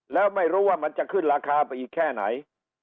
แล้วไม่รู้ว่ามันจะขึ้นราคาไปอีกแค่ไหน